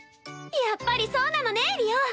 やっぱりそうなのねりお。